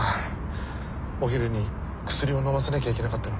お昼に薬をのませなきゃいけなかったのに。